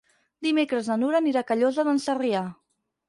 Dimecres na Nura anirà a Callosa d'en Sarrià.